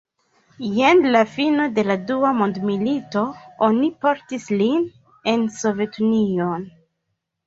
Je la fino de la dua mondmilito oni portis lin en Sovetunion.